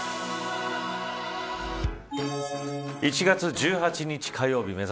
１月１８日火曜日